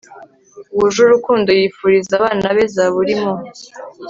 wuje urukundo yifuriza abana be Zaburi Mu